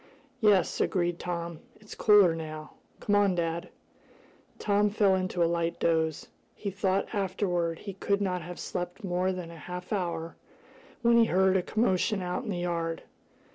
"Yes," agreed Tom. "It's cooler now. Come on, dad." Tom fell into a light doze. He thought afterward he could not have slept more than half an hour when he heard a commotion out in the yard.